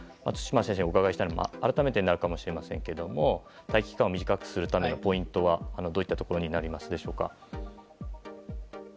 あと、津島先生にお伺いしたいのは改めてになるかもしれませんが待機期間を短くするためのポイントはどういったところになりますでしょうか？